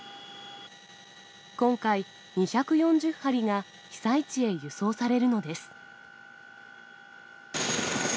今回、２４０張りが被災地へ輸送されるのです。